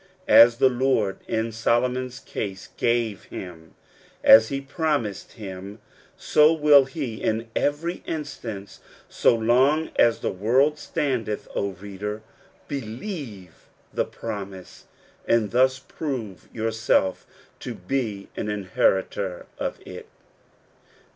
As the Lord in Solomon's case gave him ''as he promised him^' so will he in every instance so long as the world standeth. O reader! believe the promise, and thus prove yourself to be an inheritor of it.